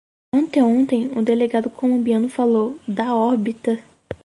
Anteontem o delegado colombiano falou “da órbita"